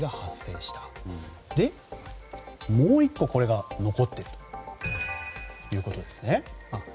そしてもう１個、これが残っているということですね。